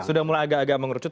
sudah mulai agak agak mengerucut